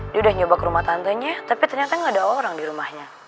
dia udah nyoba ke rumah tantenya tapi ternyata nggak ada orang di rumahnya